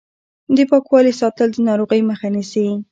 د پاکوالي ساتل د ناروغۍ مخه نیسي.